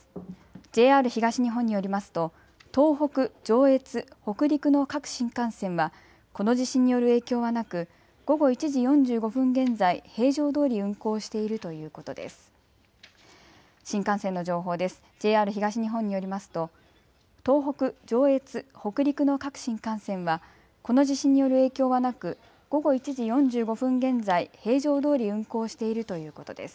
ＪＲ東日本によりますと東北、上越、北陸の各新幹線はこの地震による影響はなく午後１時４５分現在、平常どおり運行しているということです。